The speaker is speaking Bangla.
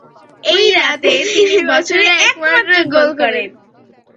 ঐ রাতে তিনি বছরের একমাত্র গোল করেন।